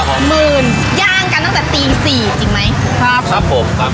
หมื่นย่างกันตั้งแต่ตีสี่จริงไหมครับครับผมครับ